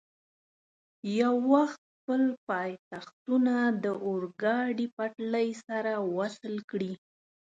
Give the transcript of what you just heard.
یو وخت خپل پایتختونه د اورګاډي پټلۍ سره وصل کړي.